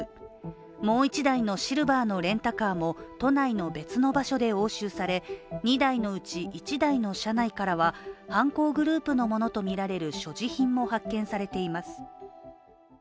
もう１台のシルバーのレンタカーも都内の別の場所で押収され、２台のうち１台の車内からは犯行グループのものとみられる所持品も発見されています。